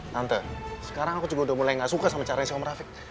tante sekarang aku juga udah mulai gak suka sama caranya si om rafiq